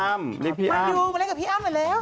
มายูมาเล่นกับพี่อ้ำหน่อยเร็ว